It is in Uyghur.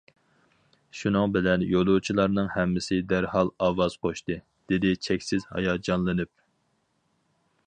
شۇنىڭ بىلەن يولۇچىلارنىڭ ھەممىسى دەرھال ئاۋاز قوشتى، دېدى چەكسىز ھاياجانلىنىپ.